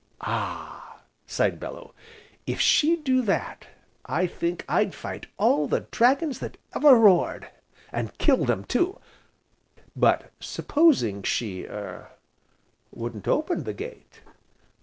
"Ah!" sighed Bellew, "if she'd do that, I think I'd fight all the dragons that ever roared, and kill them too. But supposing she er wouldn't open the gate."